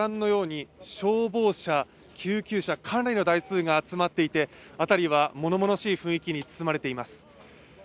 消防車、救急車、かなりの台数が集まっていて辺りはものものしい雰囲気に包まれています。